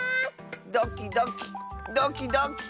ドキドキドキドキ。